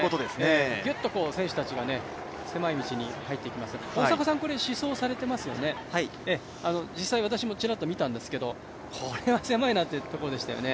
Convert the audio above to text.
ぎゅっと選手たちが狭い道に入っていきます、大迫さん試走されていますよね、実際、私もちらっと見たんですけどこれは狭いなというところでしたよね。